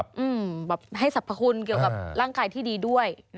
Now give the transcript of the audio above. แบบให้สรรพคุณเกี่ยวกับร่างกายที่ดีด้วย